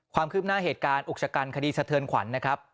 ความคืบหน้าเหตุการณ์อุกชะกันคดีสะเทือนขวัญนะครับ